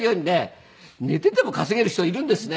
寝ていても稼げる人いるんですね。